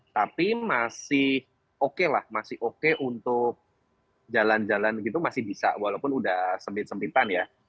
tapi masih oke lah masih oke untuk jalan jalan gitu masih bisa walaupun udah sempit sempitan ya